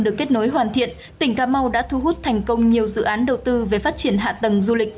cảm thiện tỉnh cà mau đã thu hút thành công nhiều dự án đầu tư về phát triển hạ tầng du lịch